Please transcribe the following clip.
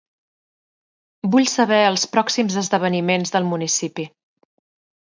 Vull saber els pròxims esdeveniments del municipi.